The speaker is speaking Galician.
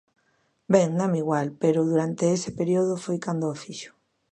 Ben, dáme igual, pero durante ese período foi cando o fixo.